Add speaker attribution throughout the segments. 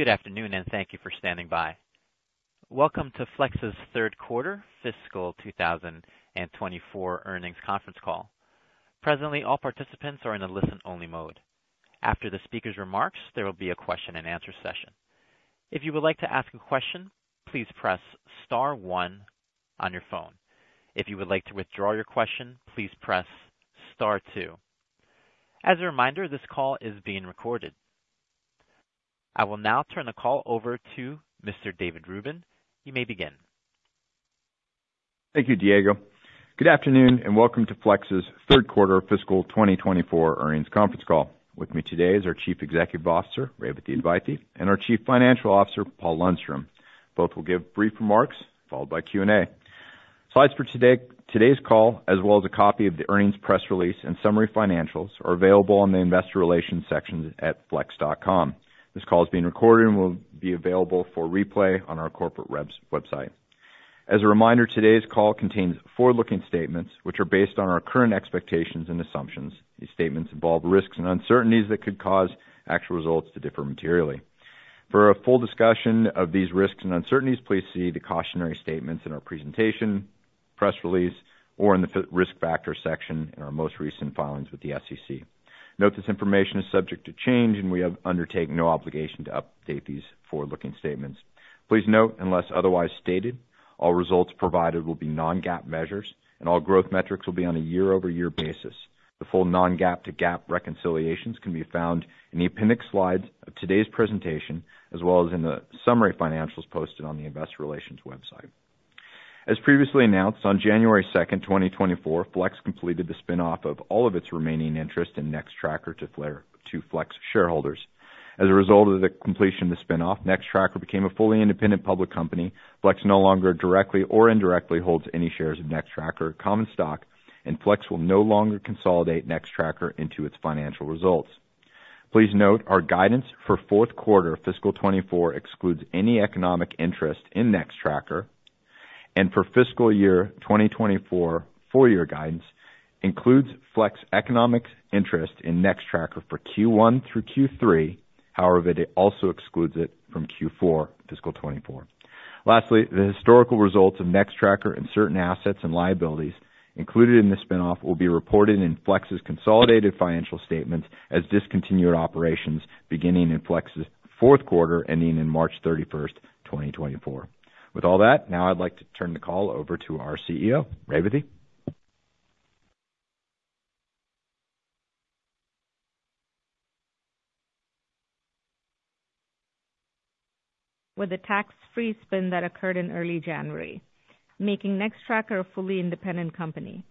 Speaker 1: Good afternoon, and thank you for standing by. Welcome to Flex's third quarter fiscal 2024 earnings conference call. Presently, all participants are in a listen-only mode. After the speaker's remarks, there will be a question-and-answer session. If you would like to ask a question, please press star one on your phone. If you would like to withdraw your question, please press star two. As a reminder, this call is being recorded. I will now turn the call over to Mr. David Rubin. You may begin.
Speaker 2: Thank you, Diego. Good afternoon, and welcome to Flex's third quarter fiscal 2024 earnings conference call. With me today is our Chief Executive Officer, Revathi Advaithi, and our Chief Financial Officer, Paul Lundstrom. Both will give brief remarks, followed by Q&A. Slides for today, today's call, as well as a copy of the earnings press release and summary financials, are available on the investor relations section at flex.com. This call is being recorded and will be available for replay on our corporate website. As a reminder, today's call contains forward-looking statements which are based on our current expectations and assumptions. These statements involve risks and uncertainties that could cause actual results to differ materially. For a full discussion of these risks and uncertainties, please see the cautionary statements in our presentation, press release, or in the risk factor section in our most recent filings with the SEC. Note, this information is subject to change, and we have undertaken no obligation to update these forward-looking statements. Please note, unless otherwise stated, all results provided will be non-GAAP measures, and all growth metrics will be on a year-over-year basis. The full non-GAAP to GAAP reconciliations can be found in the appendix slides of today's presentation, as well as in the summary financials posted on the investor relations website. As previously announced, on January 2nd, 2024, Flex completed the spin-off of all of its remaining interest in Nextracker to Flex shareholders. As a result of the completion of the spin-off, Nextracker became a fully independent public company. Flex no longer directly or indirectly holds any shares of Nextracker common stock, and Flex will no longer consolidate Nextracker into its financial results. Please note our guidance for fourth quarter fiscal 2024 excludes any economic interest in Nextracker, and for fiscal year 2024, full-year guidance includes Flex's economic interest in Nextracker for Q1 through Q3. However, it also excludes it from Q4 fiscal 2024. Lastly, the historical results of Nextracker and certain assets and liabilities included in the spin-off will be reported in Flex's consolidated financial statements as discontinued operations beginning in Flex's fourth quarter, ending in March 31st, 2024. With all that, now I'd like to turn the call over to our CEO, Revathi....
Speaker 3: With a tax-free spin that occurred in early January, making Nextracker a fully independent company.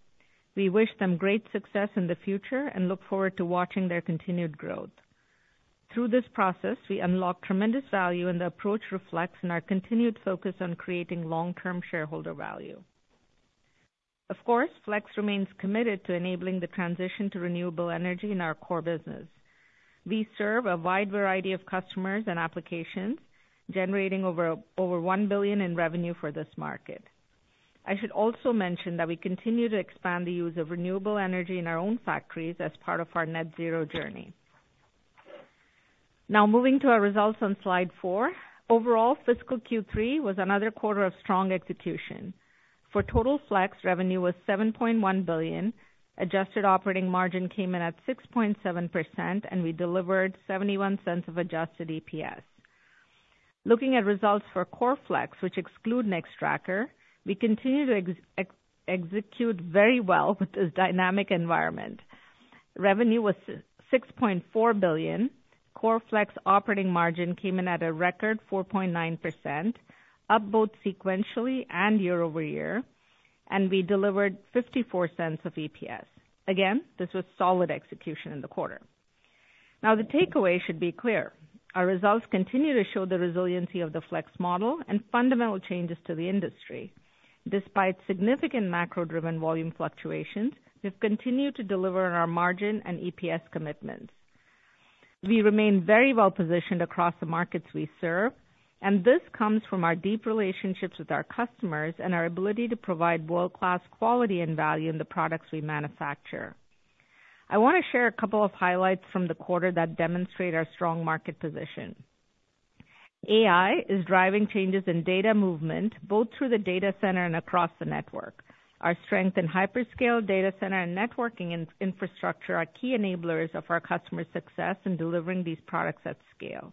Speaker 3: We wish them great success in the future and look forward to watching their continued growth. Through this process, we unlocked tremendous value, and the approach reflects in our continued focus on creating long-term shareholder value. Of course, Flex remains committed to enabling the transition to renewable energy in our core business. We serve a wide variety of customers and applications, generating over $1 billion in revenue for this market. I should also mention that we continue to expand the use of renewable energy in our own factories as part of our net zero journey. Now, moving to our results on slide four. Overall, fiscal Q3 was another quarter of strong execution. For total Flex, revenue was $7.1 billion, adjusted operating margin came in at 6.7%, and we delivered $0.71 of adjusted EPS. Looking at results for Core Flex, which exclude Nextracker, we continue to execute very well with this dynamic environment. Revenue was $6.4 billion. Core Flex operating margin came in at a record 4.9%, up both sequentially and year-over-year, and we delivered $0.54 of EPS. Again, this was solid execution in the quarter. Now, the takeaway should be clear. Our results continue to show the resiliency of the Flex model and fundamental changes to the industry. Despite significant macro-driven volume fluctuations, we've continued to deliver on our margin and EPS commitments. We remain very well-positioned across the markets we serve, and this comes from our deep relationships with our customers and our ability to provide world-class quality and value in the products we manufacture. I want to share a couple of highlights from the quarter that demonstrate our strong market position. AI is driving changes in data movement, both through the data center and across the network. Our strength in hyperscale data center and networking infrastructure are key enablers of our customers' success in delivering these products at scale.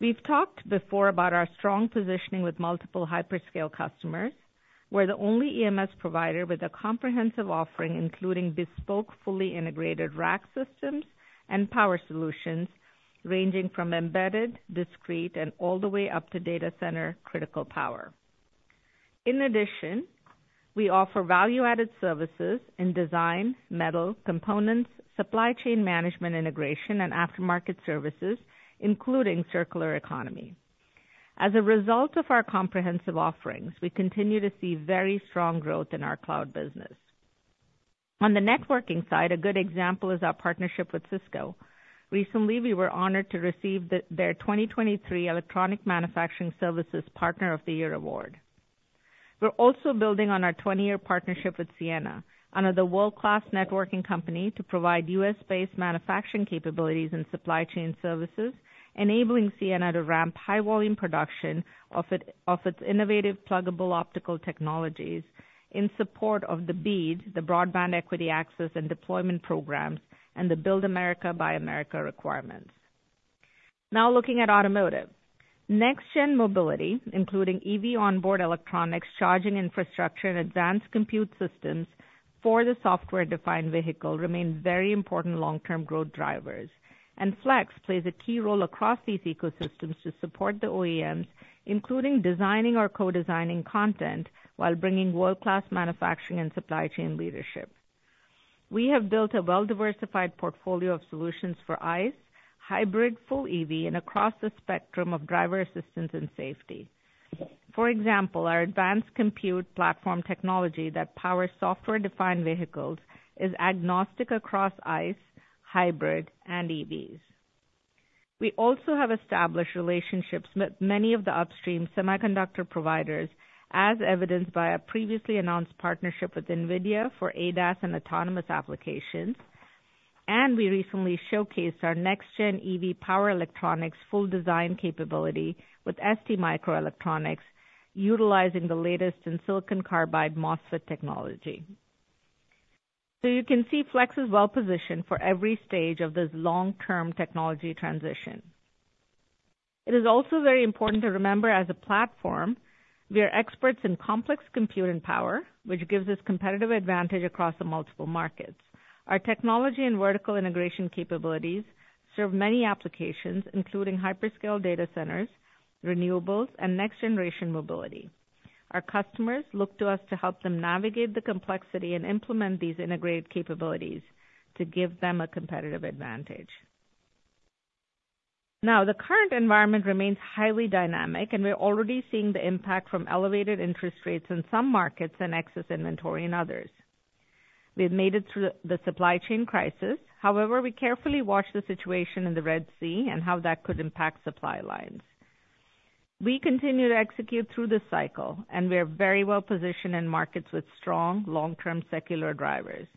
Speaker 3: We've talked before about our strong positioning with multiple hyperscale customers. We're the only EMS provider with a comprehensive offering, including bespoke, fully integrated rack systems and power solutions ranging from embedded, discrete, and all the way up to data center critical power. In addition, we offer value-added services in design, metal, components, supply chain management, integration, and aftermarket services, including circular economy. As a result of our comprehensive offerings, we continue to see very strong growth in our cloud business. On the networking side, a good example is our partnership with Cisco. Recently, we were honored to receive their 2023 Electronic Manufacturing Services Partner of the Year Award. We're also building on our 20-year partnership with Ciena, another world-class networking company, to provide U.S.-based manufacturing capabilities and supply chain services, enabling Ciena to ramp high volume production of its innovative pluggable optical technologies in support of the BEAD, the Broadband Equity Access and Deployment programs, and the Build America, Buy America requirements. Now looking at automotive. Next-Gen Mobility, including EV onboard electronics, charging infrastructure, and advanced compute systems for the Software-Defined Vehicle, remain very important long-term growth drivers. Flex plays a key role across these ecosystems to support the OEMs, including designing or co-designing content, while bringing world-class manufacturing and supply chain leadership. We have built a well-diversified portfolio of solutions for ICE, hybrid, full EV, and across the spectrum of driver assistance and safety. For example, our advanced compute platform technology that powers Software-Defined Vehicles is agnostic across ICE, hybrid, and EVs. We also have established relationships with many of the upstream semiconductor providers, as evidenced by our previously announced partnership with NVIDIA for ADAS and autonomous applications. We recently showcased our next-gen EV power electronics full design capability with STMicroelectronics, utilizing the latest in Silicon Carbide MOSFET technology. So you can see Flex is well positioned for every stage of this long-term technology transition. It is also very important to remember, as a platform, we are experts in complex compute and power, which gives us competitive advantage across the multiple markets. Our technology and vertical integration capabilities serve many applications, including hyperscale data centers, renewables, and next generation mobility. Our customers look to us to help them navigate the complexity and implement these integrated capabilities to give them a competitive advantage. Now, the current environment remains highly dynamic, and we're already seeing the impact from elevated interest rates in some markets and excess inventory in others. We have made it through the supply chain crisis. However, we carefully watch the situation in the Red Sea and how that could impact supply lines. We continue to execute through this cycle, and we are very well positioned in markets with strong long-term secular drivers.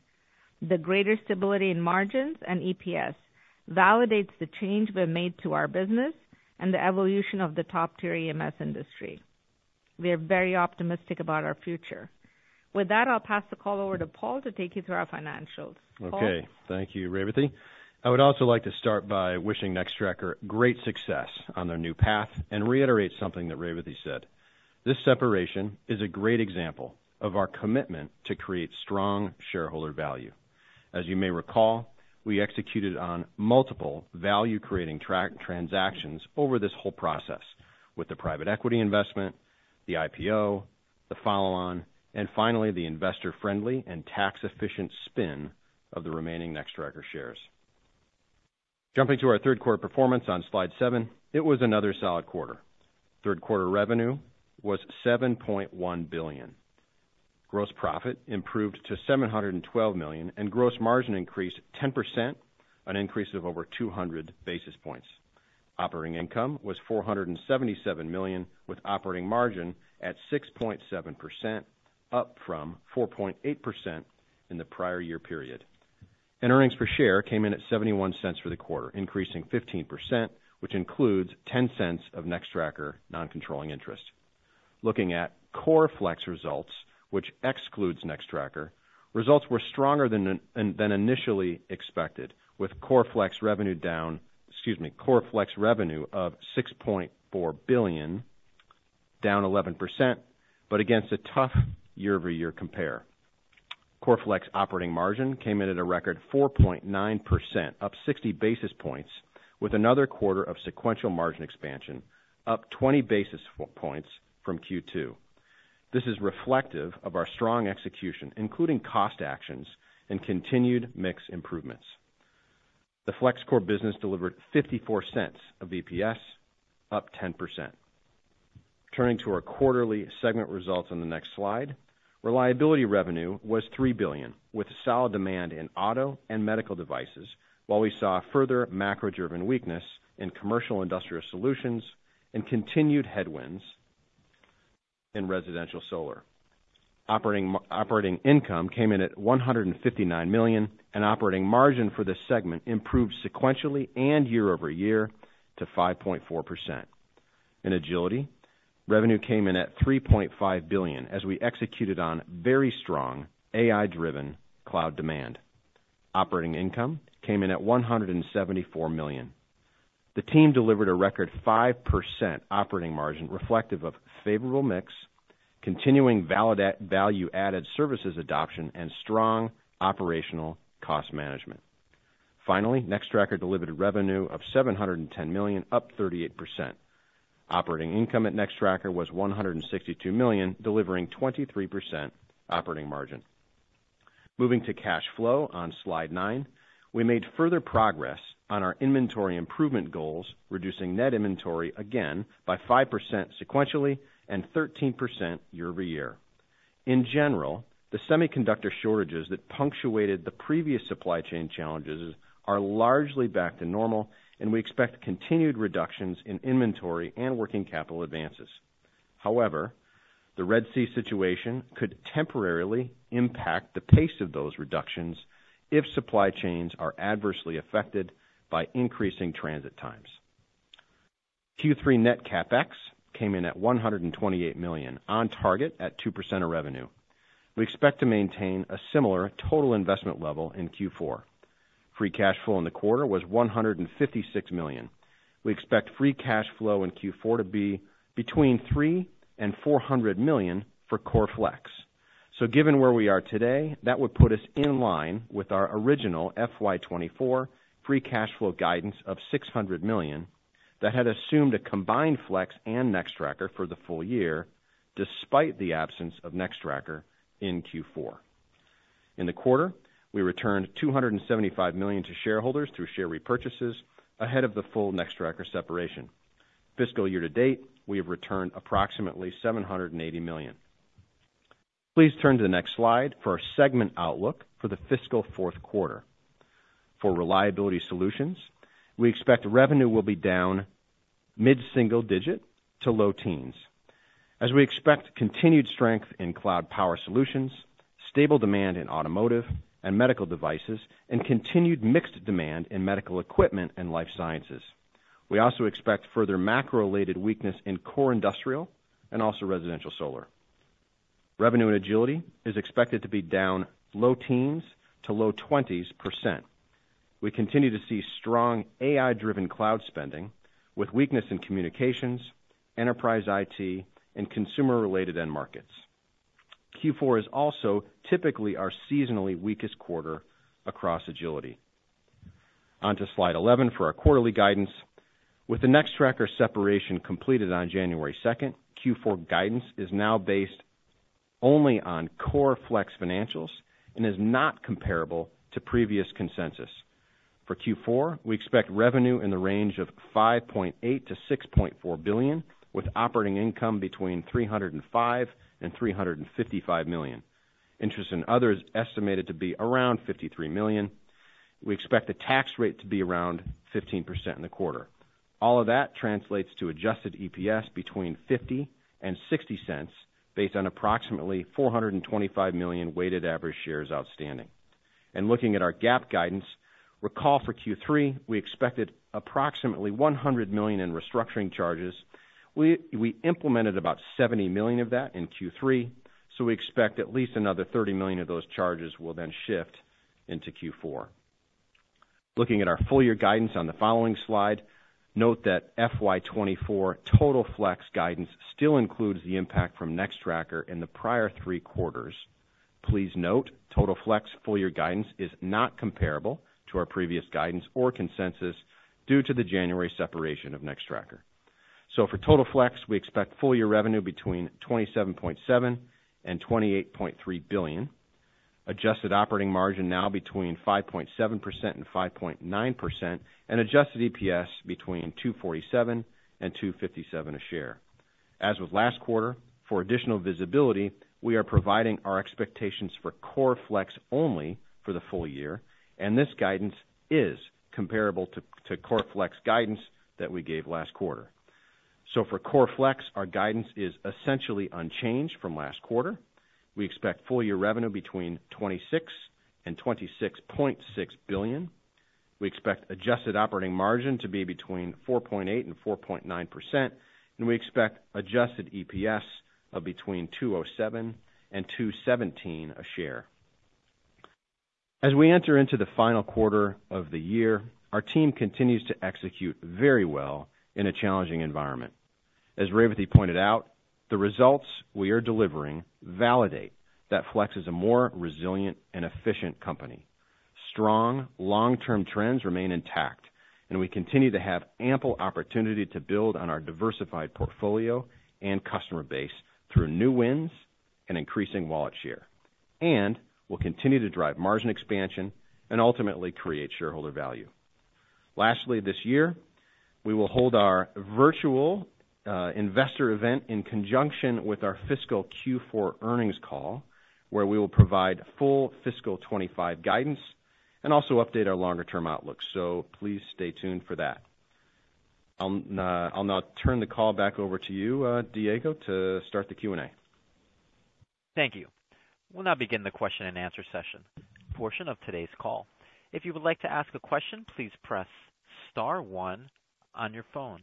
Speaker 3: The greater stability in margins and EPS validates the change we've made to our business and the evolution of the top tier EMS industry. We are very optimistic about our future. With that, I'll pass the call over to Paul to take you through our financials. Paul?
Speaker 4: Okay, thank you, Revathi. I would also like to start by wishing Nextracker great success on their new path and reiterate something that Revathi said. This separation is a great example of our commitment to create strong shareholder value. As you may recall, we executed on multiple value-creating tracker transactions over this whole process, with the private equity investment, the IPO, the follow-on, and finally, the investor-friendly and tax-efficient spin of the remaining Nextracker shares. Jumping to our third quarter performance on slide 7, it was another solid quarter. Third quarter revenue was $7.1 billion. Gross profit improved to $712 million, and gross margin increased 10%, an increase of over 200 basis points. Operating income was $477 million, with operating margin at 6.7%, up from 4.8% in the prior year period. Earnings per share came in at $0.71 for the quarter, increasing 15%, which includes $0.10 of Nextracker non-controlling interest. Looking at core Flex results, which excludes Nextracker, results were stronger than initially expected, with core Flex revenue down—excuse me, core Flex revenue of $6.4 billion, down 11%, but against a tough year-over-year compare. Core Flex operating margin came in at a record 4.9%, up 60 basis points, with another quarter of sequential margin expansion, up 20 basis points from Q2. This is reflective of our strong execution, including cost actions and continued mix improvements. The Flex core business delivered $0.54 of EPS, up 10%. Turning to our quarterly segment results on the next slide. Reliability revenue was $3 billion, with solid demand in auto and medical devices, while we saw further macro-driven weakness in commercial industrial solutions and continued headwinds in residential solar. Operating income came in at $159 million, and operating margin for this segment improved sequentially and year-over-year to 5.4%. In agility, revenue came in at $3.5 billion, as we executed on very strong AI-driven cloud demand. Operating income came in at $174 million. The team delivered a record 5% operating margin, reflective of favorable mix, continuing value-added services adoption, and strong operational cost management. Finally, Nextracker delivered revenue of $710 million, up 38%. Operating income at Nextracker was $162 million, delivering 23% operating margin. Moving to cash flow on slide nine. We made further progress on our inventory improvement goals, reducing net inventory again by 5% sequentially and 13% year-over-year. In general, the semiconductor shortages that punctuated the previous supply chain challenges are largely back to normal, and we expect continued reductions in inventory and working capital advances. However, the Red Sea situation could temporarily impact the pace of those reductions if supply chains are adversely affected by increasing transit times. Q3 net CapEx came in at $128 million, on target at 2% of revenue. We expect to maintain a similar total investment level in Q4. Free cash flow in the quarter was $156 million. We expect free cash flow in Q4 to be between $300 million and $400 million for Core Flex. So given where we are today, that would put us in line with our original FY 2024 free cash flow guidance of $600 million, that had assumed a combined Flex and Nextracker for the full year, despite the absence of Nextracker in Q4. In the quarter, we returned $275 million to shareholders through share repurchases ahead of the full Nextracker separation. Fiscal year to date, we have returned approximately $780 million. Please turn to the next slide for our segment outlook for the fiscal fourth quarter. For reliability solutions, we expect revenue will be down mid-single-digit to low-teens, as we expect continued strength in cloud power solutions, stable demand in automotive and medical devices, and continued mixed demand in medical equipment and life sciences. We also expect further macro-related weakness in core industrial and also residential solar. Revenue and agility is expected to be down low teens-low twenties %. We continue to see strong AI-driven cloud spending, with weakness in communications, enterprise IT, and consumer-related end markets. Q4 is also typically our seasonally weakest quarter across agility. On to slide 11 for our quarterly guidance. With the Nextracker separation completed on January 2nd, Q4 guidance is now based only on core Flex financials and is not comparable to previous consensus. For Q4, we expect revenue in the rang of $5.8 billion to $6.4 billion, with operating income between $305 million and $355 million. Interest in others estimated to be around $53 million. We expect the tax rate to be around 15% in the quarter. All of that translates to adjusted EPS between $0.50 and $0.60, based on approximately $425 million weighted average shares outstanding. Looking at our GAAP guidance, recall for Q3, we expected approximately $100 million in restructuring charges. We implemented about $70 million of that in Q3, so we expect at least another $30 million of those charges will then shift into Q4. Looking at our full year guidance on the following slide, note that FY 2024 total Flex guidance still includes the impact from Nextracker in the prior three quarters. Please note, total Flex full year guidance is not comparable to our previous guidance or consensus due to the January separation of Nextracker. So for total Flex, we expect full year revenue between $27.7 billion and $28.3 billion, adjusted operating margin now between 5.7% and 5.9%, and adjusted EPS between $2.47 and $2.57 a share. As with last quarter, for additional visibility, we are providing our expectations for core Flex only for the full year, and this guidance is comparable to Core Flex guidance that we gave last quarter. So for Core Flex, our guidance is essentially unchanged from last quarter. We expect full year revenue between $26 billion and $26.6 billion. We expect adjusted operating margin to be between 4.8% and 4.9%, and we expect adjusted EPS of between $2.07 and $2.17 a share. As we enter into the final quarter of the year, our team continues to execute very well in a challenging environment. As Revathi pointed out, the results we are delivering validate that Flex is a more resilient and efficient company. Strong, long-term trends remain intact, and we continue to have ample opportunity to build on our diversified portfolio and customer base through new wins and increasing wallet share. And we'll continue to drive margin expansion and ultimately create shareholder value. Lastly, this year, we will hold our virtual investor event in conjunction with our fiscal Q4 earnings call, where we will provide full fiscal 25 guidance and also update our longer-term outlook. So please stay tuned for that. I'll now turn the call back over to you, Diego, to start the Q&A.
Speaker 1: Thank you. We'll now begin the question and answer session portion of today's call. If you would like to ask a question, please press star one on your phone.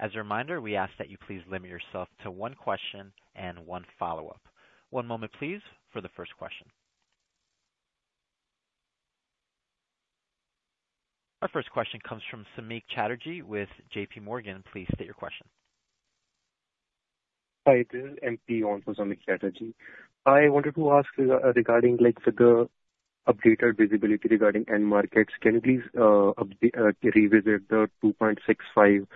Speaker 1: As a reminder, we ask that you please limit yourself to one question and one follow-up. One moment, please, for the first question. Our first question comes from Samik Chatterjee with J.P. Morgan. Please state your question.
Speaker 5: Hi, this is MP on for Samik Chatterjee. I wanted to ask, regarding, like, the updated visibility regarding end markets. Can you please revisit the 2.65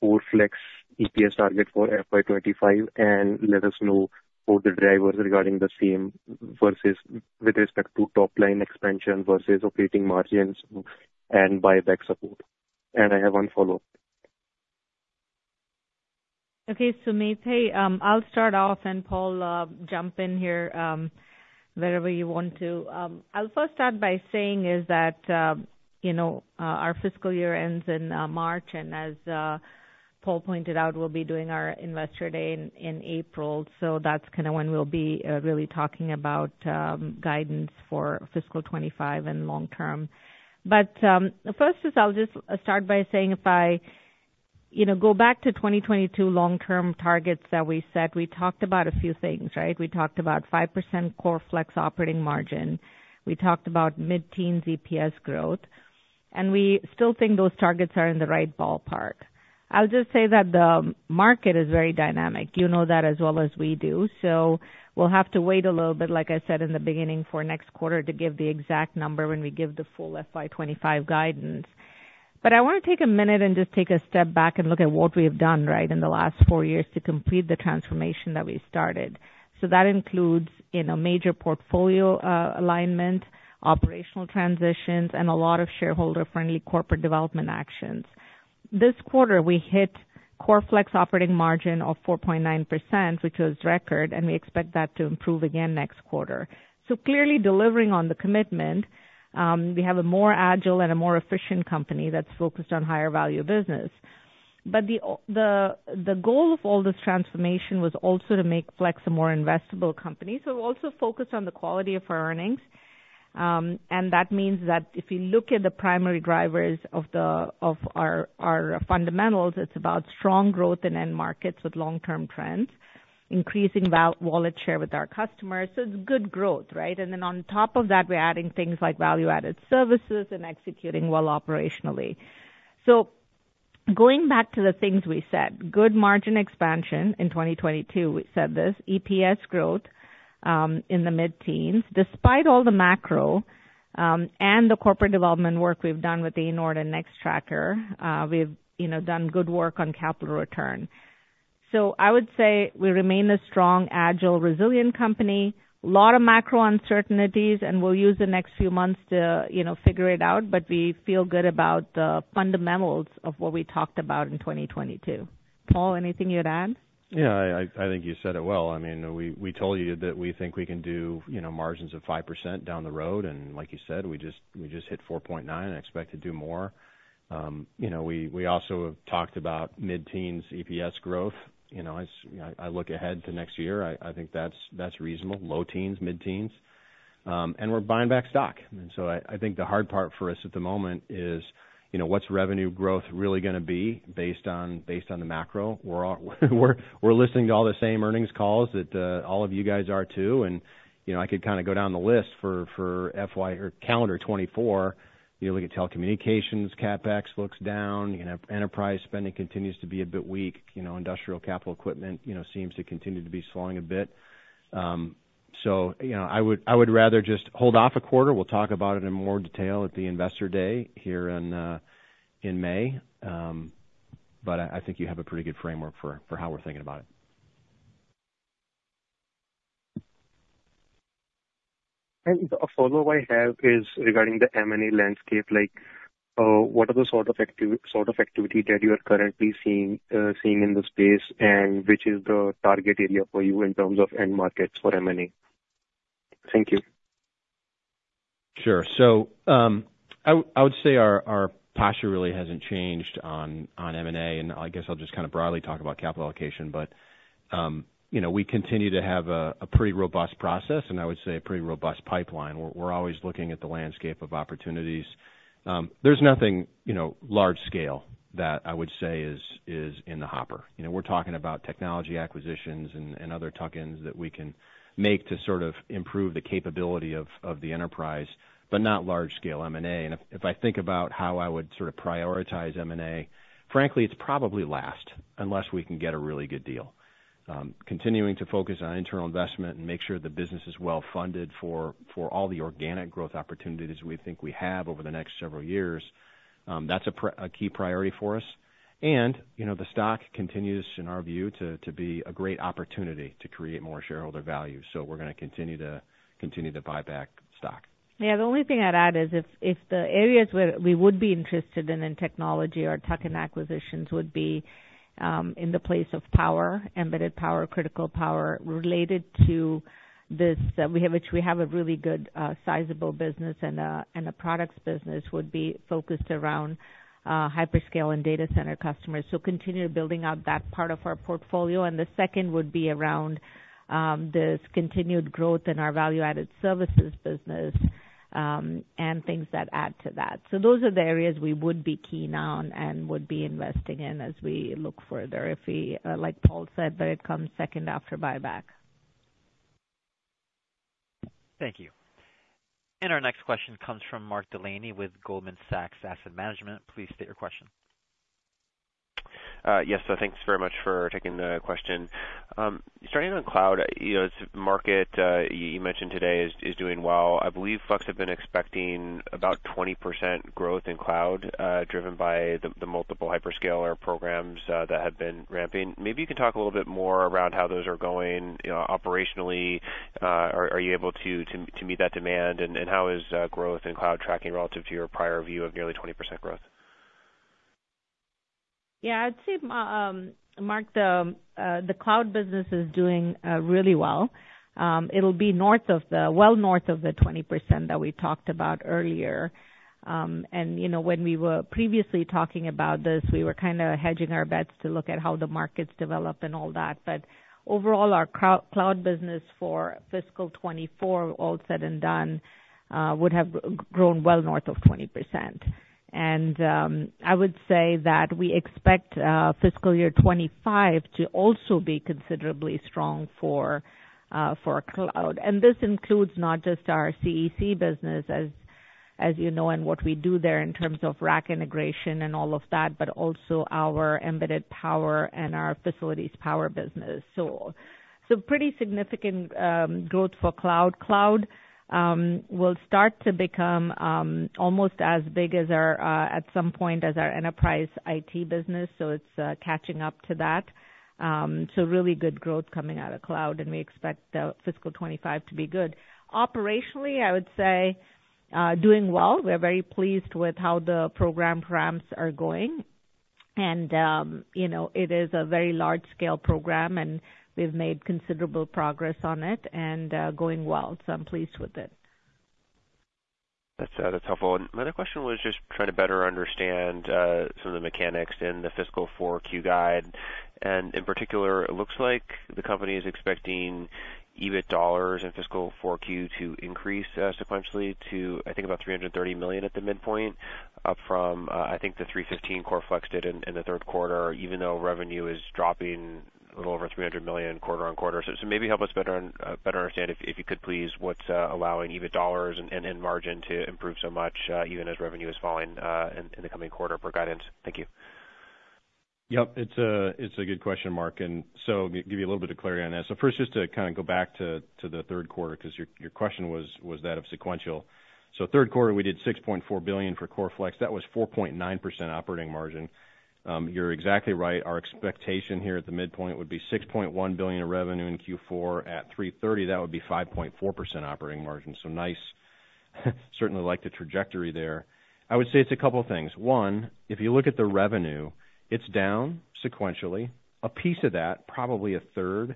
Speaker 5: Core Flex EPS target for FY 2025, and let us know what the drivers regarding the same versus with respect to top-line expansion versus operating margins and buyback support. And I have one follow-up....
Speaker 3: Okay, Samik, hey, I'll start off, and Paul, jump in here, wherever you want to. I'll first start by saying is that, you know, our fiscal year ends in, March, and as, Paul pointed out, we'll be doing our investor day in, in April. So that's kind of when we'll be, really talking about, guidance for fiscal 2025 and long term. But, first is I'll just start by saying if I, you know, go back to 2022 long-term targets that we set, we talked about a few things, right? We talked about 5% core Flex operating margin. We talked about mid-teens EPS growth, and we still think those targets are in the right ballpark. I'll just say that the market is very dynamic. You know that as well as we do, so we'll have to wait a little bit, like I said in the beginning, for next quarter to give the exact number when we give the full FY 2025 guidance. But I wanna take a minute and just take a step back and look at what we've done, right, in the last four years to complete the transformation that we started. So that includes, you know, major portfolio alignment, operational transitions, and a lot of shareholder-friendly corporate development actions. This quarter, we hit Core Flex operating margin of 4.9%, which was record, and we expect that to improve again next quarter. So clearly delivering on the commitment, we have a more agile and a more efficient company that's focused on higher value business. But the goal of all this transformation was also to make Flex a more investable company, so also focused on the quality of our earnings. And that means that if you look at the primary drivers of our fundamentals, it's about strong growth in end markets with long-term trends, increasing wallet share with our customers, so it's good growth, right? And then on top of that, we're adding things like value-added services and executing well operationally. So going back to the things we said, good margin expansion in 2022, we said this. EPS growth in the mid-teens, despite all the macro and the corporate development work we've done with Anord and Nextracker, we've, you know, done good work on capital return. So I would say we remain a strong, agile, resilient company. A lot of macro uncertainties, and we'll use the next few months to, you know, figure it out, but we feel good about the fundamentals of what we talked about in 2022. Paul, anything you'd add?
Speaker 4: Yeah, I think you said it well. I mean, we told you that we think we can do, you know, margins of 5% down the road, and like you said, we just hit 4.9% and expect to do more. You know, we also have talked about mid-teens EPS growth. You know, as I look ahead to next year, I think that's reasonable, low teens, mid-teens. And we're buying back stock. And so I think the hard part for us at the moment is, you know, what's revenue growth really gonna be based on, based on the macro? We're all listening to all the same earnings calls that all of you guys are too, and, you know, I could kind of go down the list for FY or calendar 2024. You look at telecommunications, CapEx looks down, you know, enterprise spending continues to be a bit weak. You know, industrial capital equipment, you know, seems to continue to be slowing a bit. So, you know, I would, I would rather just hold off a quarter. We'll talk about it in more detail at the Investor Day here in, in May. But I, I think you have a pretty good framework for, for how we're thinking about it.
Speaker 6: A follow-up I have is regarding the M&A landscape, like, what are the sort of activity that you are currently seeing in the space, and which is the target area for you in terms of end markets for M&A? Thank you.
Speaker 4: Sure. So, I would say our, our posture really hasn't changed on, on M&A, and I guess I'll just kind of broadly talk about capital allocation. But, you know, we continue to have a, a pretty robust process, and I would say a pretty robust pipeline. We're, we're always looking at the landscape of opportunities. There's nothing, you know, large scale that I would say is, is in the hopper. You know, we're talking about technology acquisitions and, and other tuck-ins that we can make to sort of improve the capability of, of the enterprise, but not large scale M&A. And if, if I think about how I would sort of prioritize M&A, frankly, it's probably last, unless we can get a really good deal. Continuing to focus on internal investment and make sure the business is well-funded for all the organic growth opportunities we think we have over the next several years, that's a key priority for us. You know, the stock continues, in our view, to be a great opportunity to create more shareholder value, so we're gonna continue to buy back stock.
Speaker 3: Yeah, the only thing I'd add is if the areas where we would be interested in technology or tuck-in acquisitions would be in the space of power, embedded power, critical power, related to this, which we have a really good sizable business and a products business would be focused around hyperscale and data center customers. So continue building out that part of our portfolio. And the second would be around this continued growth in our value-added services business and things that add to that. So those are the areas we would be keen on and would be investing in as we look further. If we, like Paul said, but it comes second after buyback.
Speaker 1: Thank you. And our next question comes from Mark Delaney with Goldman Sachs Asset Management. Please state your question.
Speaker 7: Yes, so thanks very much for taking the question. Starting on cloud, you know, this market you mentioned today is doing well. I believe Flex have been expecting about 20% growth in cloud, driven by the multiple hyperscaler programs that have been ramping. Maybe you can talk a little bit more around how those are going, you know, operationally. Are you able to meet that demand? And how is growth in cloud tracking relative to your prior view of nearly 20% growth? ...
Speaker 3: Yeah, I'd say, Mark, the cloud business is doing really well. It'll be north of the, well, north of the 20% that we talked about earlier. And, you know, when we were previously talking about this, we were kind of hedging our bets to look at how the markets develop and all that. But overall, our cloud business for fiscal 2024, all said and done, would have grown well north of 20%. And I would say that we expect fiscal year 2025 to also be considerably strong for cloud. And this includes not just our CEC business, as you know, and what we do there in terms of rack integration and all of that, but also our embedded power and our facilities power business. So pretty significant growth for cloud. Cloud will start to become almost as big as our, at some point, as our enterprise IT business, so it's catching up to that. So really good growth coming out of cloud, and we expect fiscal 2025 to be good. Operationally, I would say doing well. We're very pleased with how the program ramps are going, and, you know, it is a very large-scale program, and we've made considerable progress on it and going well, so I'm pleased with it.
Speaker 7: That's, that's helpful. And my other question was just trying to better understand some of the mechanics in the fiscal Q4 guide. And in particular, it looks like the company is expecting EBIT dollars in fiscal Q4 to increase sequentially to, I think, about $330 million at the midpoint, up from, I think, the $315 CoreFlex did in the third quarter, even though revenue is dropping a little over $300 million quarter on quarter. So, maybe help us better understand, if you could, please, what's allowing EBIT dollars and margin to improve so much, even as revenue is falling in the coming quarter per guidance? Thank you.
Speaker 4: Yep, it's a good question, Mark, and so give you a little bit of clarity on that. So first, just to kind of go back to the third quarter, 'cause your question was that of sequential. So third quarter, we did $6.4 billion for CoreFlex. That was 4.9% operating margin. You're exactly right. Our expectation here at the midpoint would be $6.1 billion in revenue in Q4. At $3.30, that would be 5.4% operating margin. So nice, certainly like the trajectory there. I would say it's a couple things. One, if you look at the revenue, it's down sequentially. A piece of that, probably a third,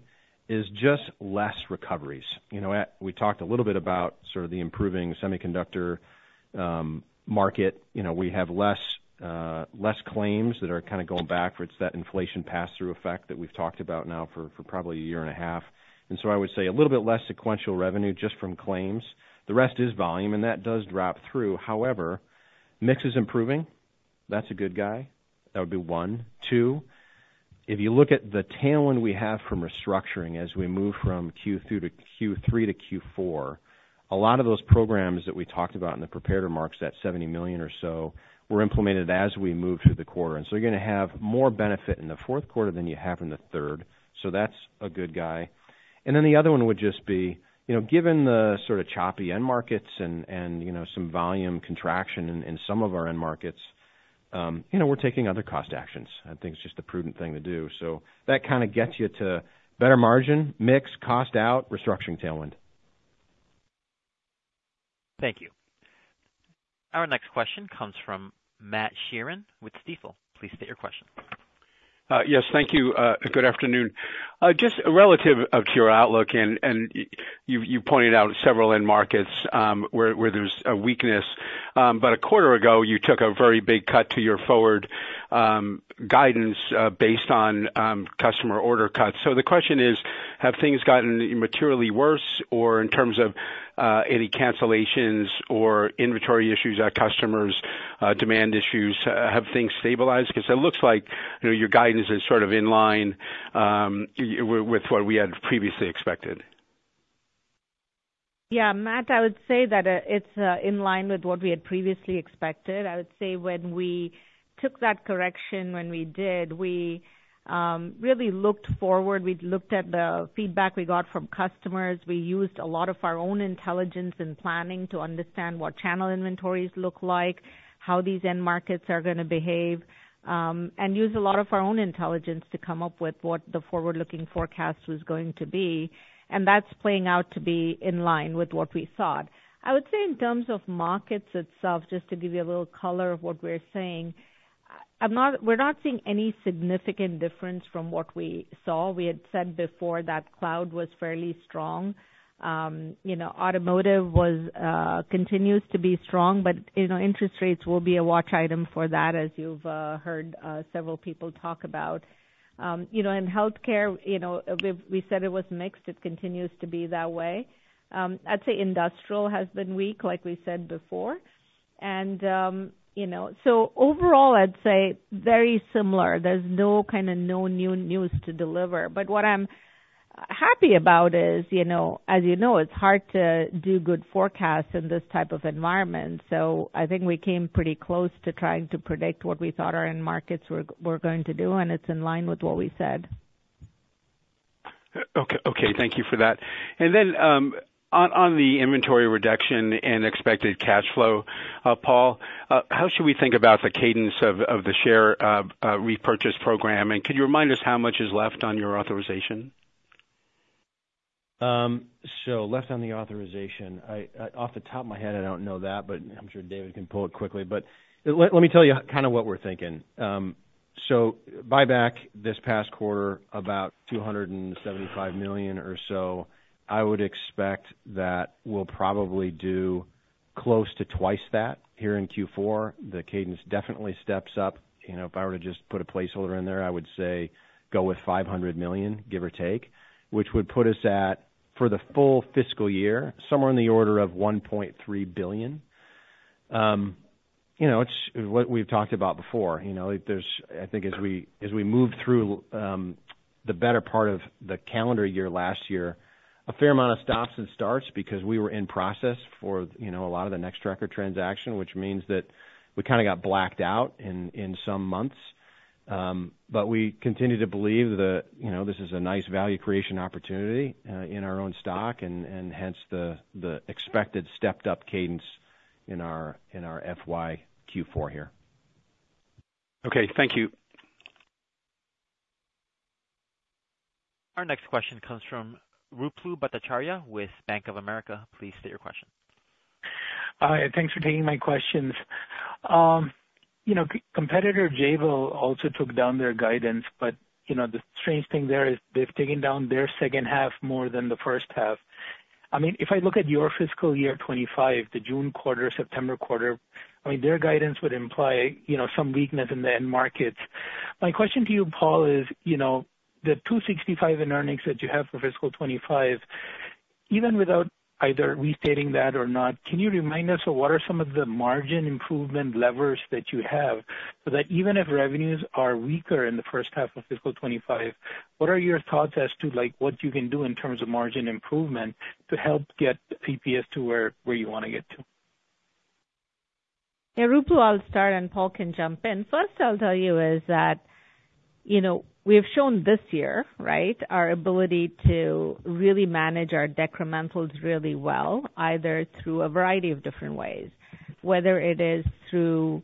Speaker 4: is just less recoveries. You know, at we talked a little bit about sort of the improving semiconductor market. You know, we have less, less claims that are kind of going backwards, that inflation pass-through effect that we've talked about now for, for probably a year and a half. And so I would say a little bit less sequential revenue just from claims. The rest is volume, and that does drop through. However, mix is improving. That's a good guy. That would be one. Two, if you look at the tailwind we have from restructuring as we move from Q2 to Q3 to Q4, a lot of those programs that we talked about in the prepared remarks, that $70 million or so, were implemented as we moved through the quarter. And so you're gonna have more benefit in the fourth quarter than you have in the third. So that's a good guy. And then the other one would just be, you know, given the sort of choppy end markets and you know, some volume contraction in some of our end markets, you know, we're taking other cost actions. I think it's just the prudent thing to do. So that kind of gets you to better margin, mix, cost out, restructuring tailwind.
Speaker 1: Thank you. Our next question comes from Matt Sheerin with Stifel. Please state your question.
Speaker 8: Yes, thank you. Good afternoon. Just relative to your outlook, and you pointed out several end markets where there's a weakness. But a quarter ago, you took a very big cut to your forward guidance based on customer order cuts. So the question is: have things gotten materially worse? Or in terms of any cancellations or inventory issues at customers', demand issues, have things stabilized? 'Cause it looks like, you know, your guidance is sort of in line with what we had previously expected.
Speaker 3: Yeah, Matt, I would say that it's in line with what we had previously expected. I would say when we took that correction, when we did, we really looked forward. We looked at the feedback we got from customers. We used a lot of our own intelligence and planning to understand what channel inventories look like, how these end markets are gonna behave, and use a lot of our own intelligence to come up with what the forward-looking forecast was going to be, and that's playing out to be in line with what we thought. I would say in terms of markets itself, just to give you a little color of what we're seeing, I'm not-- we're not seeing any significant difference from what we saw. We had said before that cloud was fairly strong. You know, automotive continues to be strong, but you know, interest rates will be a watch item for that, as you've heard several people talk about. You know, in healthcare, you know, we said it was mixed. It continues to be that way. I'd say industrial has been weak, like we said before. And you know, so overall, I'd say very similar. There's no kind of new news to deliver. But what I'm happy about is, you know, as you know, it's hard to do good forecasts in this type of environment. So I think we came pretty close to trying to predict what we thought our end markets were going to do, and it's in line with what we said.
Speaker 8: Okay, okay. Thank you for that. And then, on the inventory reduction and expected cash flow, Paul, how should we think about the cadence of the share repurchase program, and could you remind us how much is left on your authorization?...
Speaker 4: So left on the authorization, off the top of my head, I don't know that, but I'm sure David can pull it quickly. But let me tell you kind of what we're thinking. So buyback this past quarter, about $275 million or so, I would expect that we'll probably do close to twice that here in Q4. The cadence definitely steps up. You know, if I were to just put a placeholder in there, I would say go with $500 million, give or take, which would put us at, for the full fiscal year, somewhere in the order of $1.3 billion. You know, it's what we've talked about before. You know, there's I think as we, as we move through, the better part of the calendar year last year, a fair amount of stops and starts because we were in process for, you know, a lot of the Nextracker transaction, which means that we kinda got blacked out in, in some months. But we continue to believe that, you know, this is a nice value creation opportunity, in our own stock, and, and hence the, the expected stepped up cadence in our, in our FY Q4 here.
Speaker 8: Okay, thank you.
Speaker 1: Our next question comes from Ruplu Bhattacharya with Bank of America. Please state your question.
Speaker 9: Hi, thanks for taking my questions. You know, competitor, Jabil, also took down their guidance, but, you know, the strange thing there is they've taken down their second half more than the first half. I mean, if I look at your fiscal year 2025, the June quarter, September quarter, I mean, their guidance would imply, you know, some weakness in the end markets. My question to you, Paul, is, you know, the $2.65 in earnings that you have for fiscal 2025, even without either restating that or not, can you remind us of what are some of the margin improvement levers that you have, so that even if revenues are weaker in the first half of fiscal 2025, what are your thoughts as to, like, what you can do in terms of margin improvement to help get PPS to where, where you want to get to?
Speaker 3: Yeah, Ruplu, I'll start, and Paul can jump in. First, I'll tell you, is that, you know, we have shown this year, right, our ability to really manage our decrementals really well, either through a variety of different ways, whether it is through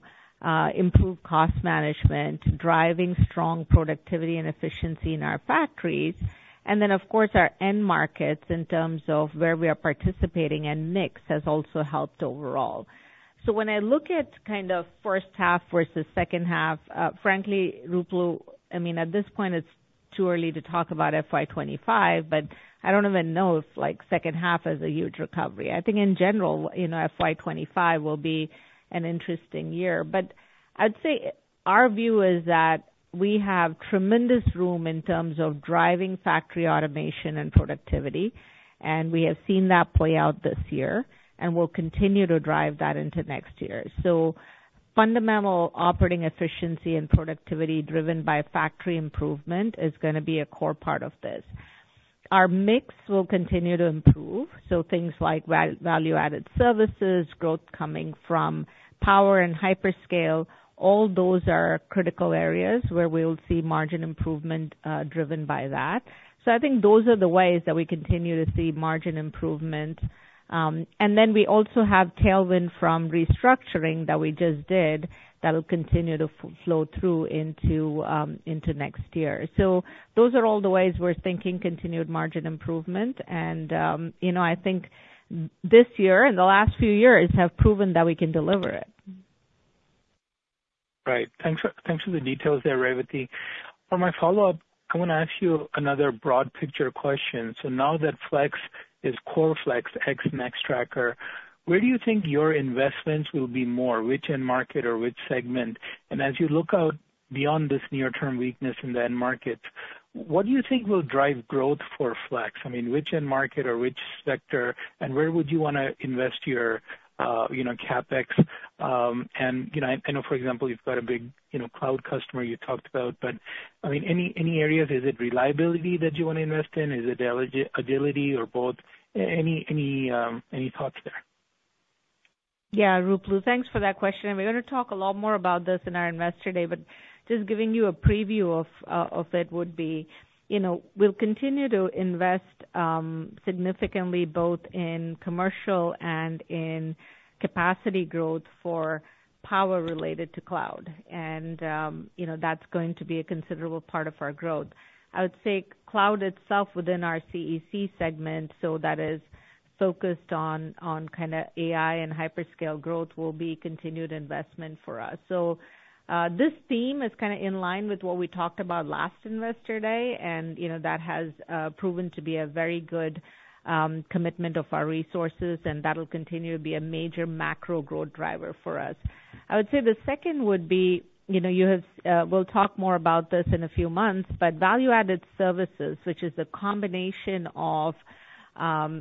Speaker 3: improved cost management, driving strong productivity and efficiency in our factories, and then, of course, our end markets in terms of where we are participating, and mix has also helped overall. So when I look at kind of first half versus second half, frankly, Ruplu, I mean, at this point, it's too early to talk about FY 2025, but I don't even know if, like, second half is a huge recovery. I think in general, you know, FY 2025 will be an interesting year. But I'd say our view is that we have tremendous room in terms of driving factory automation and productivity, and we have seen that play out this year, and we'll continue to drive that into next year. So fundamental operating efficiency and productivity driven by factory improvement is gonna be a core part of this. Our mix will continue to improve, so things like value-added services, growth coming from power and hyperscale, all those are critical areas where we'll see margin improvement, driven by that. So I think those are the ways that we continue to see margin improvement. And then we also have tailwind from restructuring that we just did, that will continue to flow through into next year. Those are all the ways we're thinking continued margin improvement, and, you know, I think this year and the last few years have proven that we can deliver it.
Speaker 9: Right. Thanks for, thanks for the details there, Revathi. For my follow-up, I want to ask you another broad picture question. So now that Flex is core, Flex, Nextracker, where do you think your investments will be more, which end market or which segment? And as you look out beyond this near-term weakness in the end markets, what do you think will drive growth for Flex? I mean, which end market or which sector, and where would you wanna invest your, you know, CapEx? And, you know, I know, for example, you've got a big, you know, cloud customer you talked about, but, I mean, any areas, is it reliability that you want to invest in? Is it the agility or both? Any thoughts there?
Speaker 3: Yeah, Ruplu, thanks for that question, and we're going to talk a lot more about this in our Investor Day, but just giving you a preview of it would be, you know, we'll continue to invest significantly both in commercial and in capacity growth for power related to cloud. And, you know, that's going to be a considerable part of our growth. I would say cloud itself within our CEC segment, so that is focused on kinda AI and hyperscale growth, will be continued investment for us. So, this theme is kinda in line with what we talked about last Investor Day, and, you know, that has proven to be a very good commitment of our resources, and that'll continue to be a major macro growth driver for us. I would say the second would be, you know, you have-- we'll talk more about this in a few months, but value-added services, which is a combination of,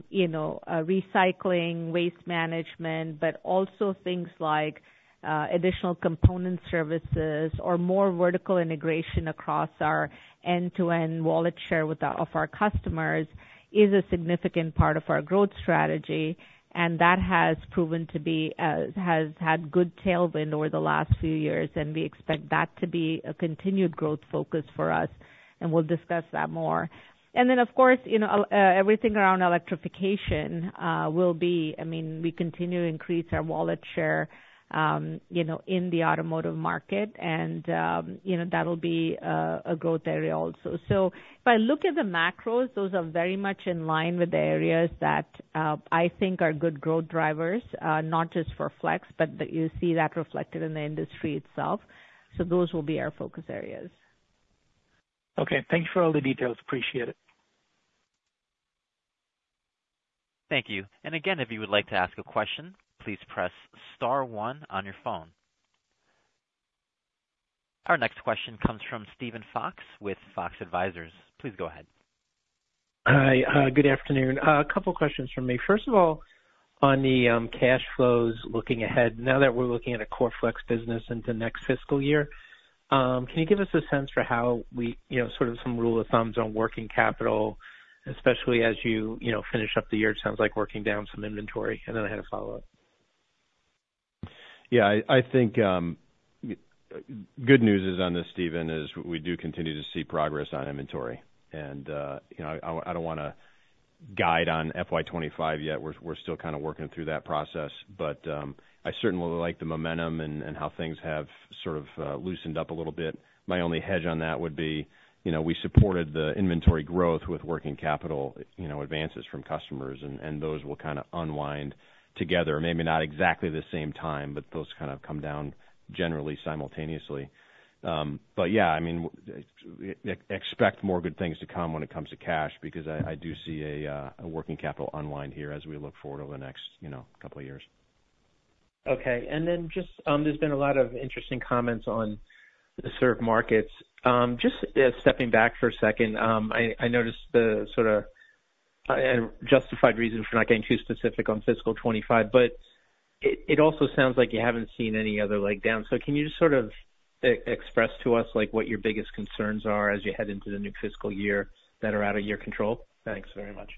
Speaker 3: you know, recycling, waste management, but also things like, additional component services or more vertical integration across our end-to-end wallet share with our, of our customers, is a significant part of our growth strategy, and that has proven to be, has had good tailwind over the last few years, and we expect that to be a continued growth focus for us, and we'll discuss that more. And then, of course, you know, everything around electrification, will be... I mean, we continue to increase our wallet share, you know, in the automotive market, and, you know, that'll be, a growth area also. So if I look at the macros, those are very much in line with the areas that I think are good growth drivers, not just for Flex, but that you see that reflected in the industry itself. So those will be our focus areas.
Speaker 9: Okay, thank you for all the details. Appreciate it.
Speaker 1: Thank you. And again, if you would like to ask a question, please press star one on your phone. Our next question comes from Steven Fox with Fox Advisors. Please go ahead.
Speaker 10: Hi, good afternoon. A couple questions from me. First of all, on the cash flows, looking ahead, now that we're looking at a Core Flex business into next fiscal year, can you give us a sense for how we... You know, sort of some rule of thumbs on working capital, especially as you, you know, finish up the year? It sounds like working down some inventory. Then I had a follow-up.
Speaker 4: Yeah, I think good news is on this, Steven, is we do continue to see progress on inventory. And, you know, I don't wanna guide on FY 2025 yet. We're still kind of working through that process. But, I certainly like the momentum and how things have sort of loosened up a little bit. My only hedge on that would be, you know, we supported the inventory growth with working capital, you know, advances from customers, and those will kind of unwind together. Maybe not exactly the same time, but those kind of come down generally simultaneously. But yeah, I mean, expect more good things to come when it comes to cash, because I do see a working capital unwind here as we look forward over the next, you know, couple of years.
Speaker 10: Okay. And then just, there's been a lot of interesting comments on the server markets. Just, stepping back for a second, I noticed the sort of justified reason for not getting too specific on fiscal 2025, but it also sounds like you haven't seen any other leg down. So can you just sort of express to us, like, what your biggest concerns are as you head into the new fiscal year that are out of your control? Thanks very much.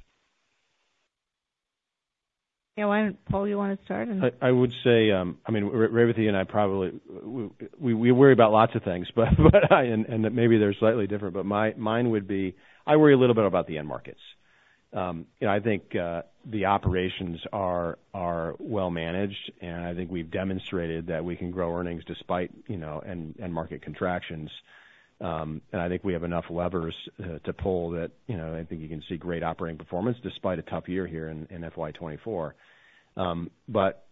Speaker 3: Yeah. Why don't you, Paul, wanna start?
Speaker 4: I would say, I mean, Revathi and I probably worry about lots of things, but maybe they're slightly different, but mine would be I worry a little bit about the end markets. You know, I think the operations are well managed, and I think we've demonstrated that we can grow earnings despite, you know, end market contractions. And I think we have enough levers to pull that, you know, I think you can see great operating performance despite a tough year here in FY 2024. But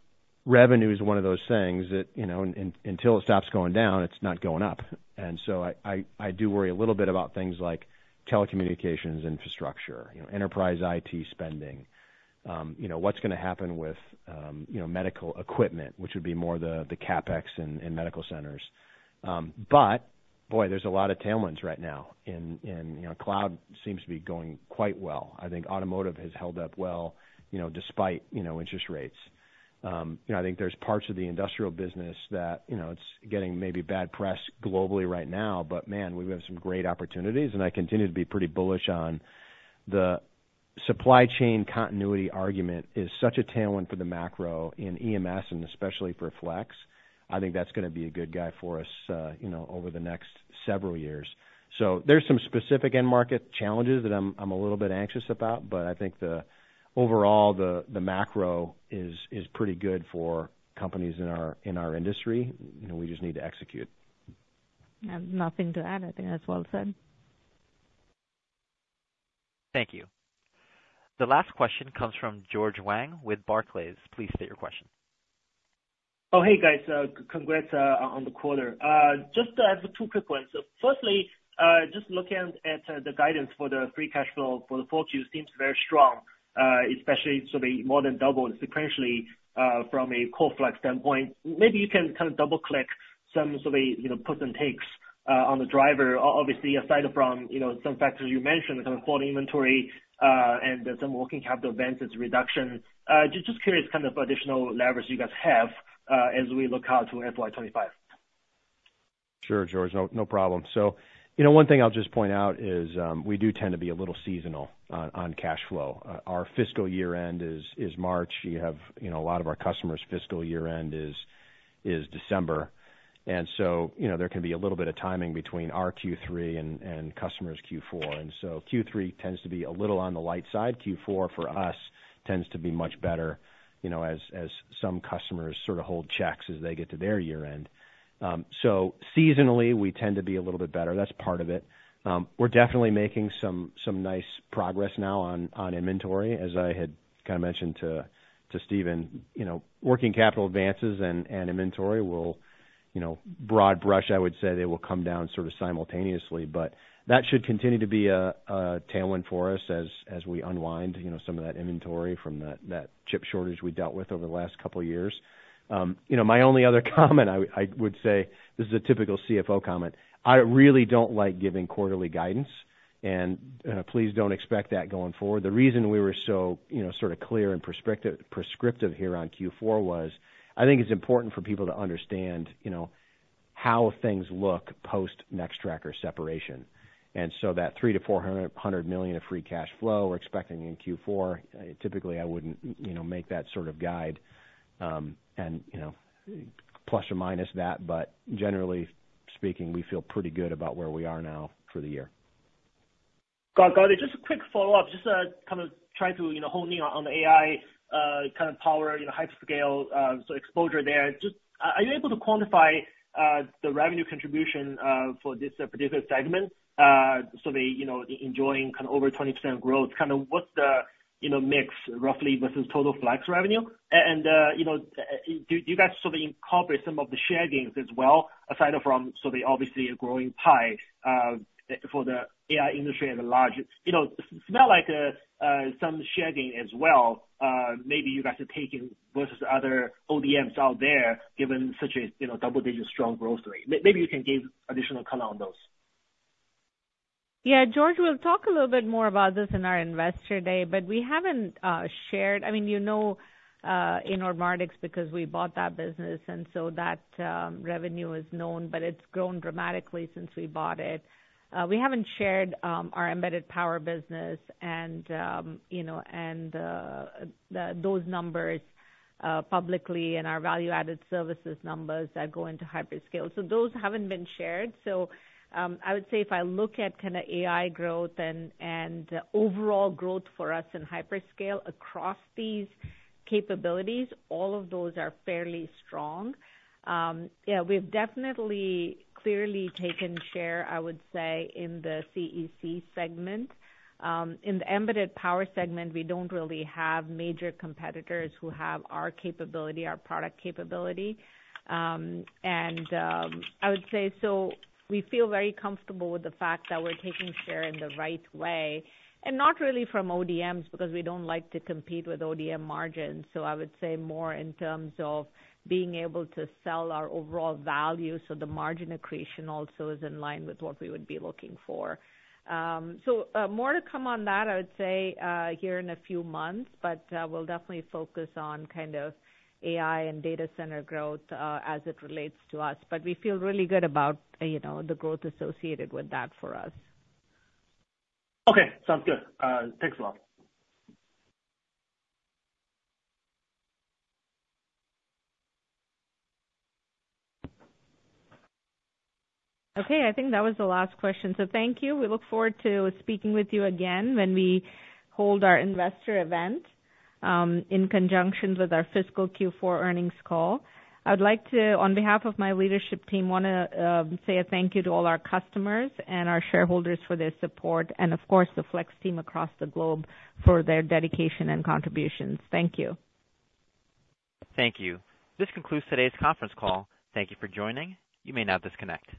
Speaker 4: revenue is one of those things that, you know, until it stops going down, it's not going up. And so I do worry a little bit about things like telecommunications, infrastructure, you know, enterprise IT spending. You know, what's gonna happen with, you know, medical equipment, which would be more the, the CapEx in, in medical centers. But boy, there's a lot of tailwinds right now, and, and, you know, cloud seems to be going quite well. I think automotive has held up well, you know, despite, you know, interest rates. You know, I think there's parts of the industrial business that, you know, it's getting maybe bad press globally right now, but man, we have some great opportunities, and I continue to be pretty bullish on the supply chain continuity argument is such a tailwind for the macro in EMS and especially for Flex. I think that's gonna be a good guy for us, you know, over the next several years. There's some specific end market challenges that I'm a little bit anxious about, but I think the overall macro is pretty good for companies in our industry, and we just need to execute.
Speaker 3: I have nothing to add. I think that's well said.
Speaker 1: Thank you. The last question comes from George Wang with Barclays. Please state your question.
Speaker 11: Oh, hey, guys, congrats on the quarter. Just two quick ones. So firstly, just looking at the guidance for the Free Cash Flow for the Q4 seems very strong, especially so more than double sequentially from a Core Flex standpoint. Maybe you can kind of double click some sort of, you know, puts and takes on the driver. Obviously, aside from, you know, some factors you mentioned, kind of quality inventory and some working capital advances reduction. Just curious, kind of additional levers you guys have as we look out to FY 2025.
Speaker 4: Sure, George. No problem. So, you know, one thing I'll just point out is, we do tend to be a little seasonal on cash flow. Our fiscal year end is March. You have, you know, a lot of our customers' fiscal year end is December. And so, you know, there can be a little bit of timing between our Q3 and customers' Q4. And so Q3 tends to be a little on the light side. Q4, for us, tends to be much better, you know, as some customers sort of hold checks as they get to their year end. So seasonally, we tend to be a little bit better. That's part of it. We're definitely making some nice progress now on inventory, as I had kind of mentioned to Steven. You know, working capital advances and inventory will, you know, broad brush, I would say they will come down sort of simultaneously, but that should continue to be a tailwind for us as we unwind, you know, some of that inventory from that chip shortage we dealt with over the last couple of years. You know, my only other comment, I would say, this is a typical CFO comment: I really don't like giving quarterly guidance, and please don't expect that going forward. The reason we were so, you know, sort of clear and prescriptive here on Q4 was, I think it's important for people to understand, you know, how things look post Nextracker separation. That $300 million to $400 million of free cash flow we're expecting in Q4, typically I wouldn't, you know, make that sort of guide, and, you know, plus or minus that, but generally speaking, we feel pretty good about where we are now for the year.
Speaker 11: Got it. Just a quick follow-up, just, kind of try to, you know, hone in on the AI, kind of power, you know, hyperscale, so exposure there. Are you able to quantify the revenue contribution for this particular segment? So the, you know, enjoying kind of over 20% growth, kind of what's the, you know, mix roughly versus total Flex revenue? And, you know, do you guys sort of incorporate some of the share gains as well, aside from so the obviously a growing pie for the AI industry at large? You know, seems like some share gain as well, maybe you guys are taking versus other ODMs out there, given such a, you know, double-digit strong growth rate. Maybe you can give additional color on those.
Speaker 3: Yeah, George, we'll talk a little bit more about this in our Investor Day, but we haven't shared, I mean, you know, in Nordics, because we bought that business, and so that revenue is known, but it's grown dramatically since we bought it. We haven't shared our embedded power business and, you know, and those numbers publicly and our value-added services numbers that go into hyperscale. So those haven't been shared. So, I would say if I look at kind of AI growth and overall growth for us in hyperscale across these capabilities, all of those are fairly strong. Yeah, we've definitely clearly taken share, I would say, in the CEC segment. In the embedded power segment, we don't really have major competitors who have our capability, our product capability. I would say, so we feel very comfortable with the fact that we're taking share in the right way, and not really from ODMs, because we don't like to compete with ODM margins. So I would say more in terms of being able to sell our overall value, so the margin accretion also is in line with what we would be looking for. More to come on that, I would say, here in a few months. But we'll definitely focus on kind of AI and data center growth, as it relates to us. But we feel really good about, you know, the growth associated with that for us.
Speaker 11: Okay, sounds good. Thanks a lot.
Speaker 3: Okay, I think that was the last question. So thank you. We look forward to speaking with you again when we hold our investor event in conjunction with our fiscal Q4 earnings call. I would like to, on behalf of my leadership team, wanna say a thank you to all our customers and our shareholders for their support, and of course, the Flex team across the globe for their dedication and contributions. Thank you.
Speaker 1: Thank you. This concludes today's conference call. Thank you for joining. You may now disconnect.